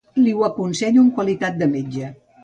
Li ho aconsello en qualitat de metge.